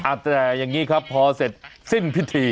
แต่อย่างนี้ครับพอเสร็จสิ้นพิธี